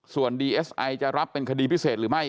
ส่วนดีเอสไอจะรับเป็นคดีพิเศษหรือไม่